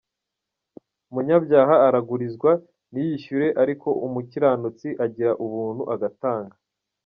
Umunyabyaha aragurizwa ntiyishyure, Ariko umukiranutsi agira ubuntu agatanga.